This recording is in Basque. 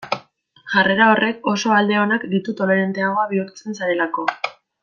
Jarrera horrek oso alde onak ditu toleranteago bihurtzen zarelako.